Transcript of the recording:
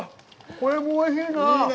これもおいしいなあ。